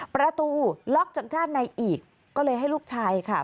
ประตูล็อกจากด้านในอีกก็เลยให้ลูกชายค่ะ